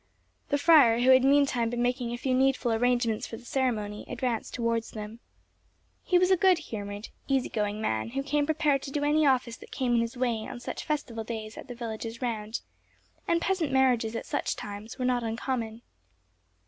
The friar, who had meantime been making a few needful arrangements for the ceremony, advanced towards them. He was a good humoured, easy going man, who came prepared to do any office that came in his way on such festival days at the villages round; and peasant marriages at such times were not uncommon.